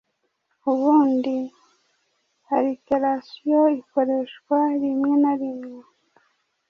Ubundi alliteration ikoreshwa rimwe na rimwe